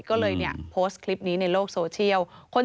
ก็เลยโพสต์คลิปนี้ในโลกโซเชียล